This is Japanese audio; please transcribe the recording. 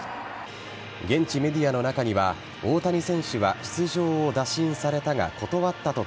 現地メディアの中には大谷選手は出場を打診されたが断ったと